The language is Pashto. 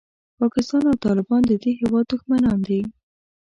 پاکستان او طالبان د دې هېواد دښمنان دي.